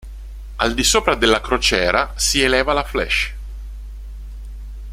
Al di sopra della crociera si eleva la flèche.